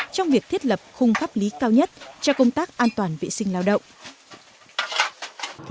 trong việc thiết lập khung pháp lý cao nhất cho công tác an toàn vệ sinh lao động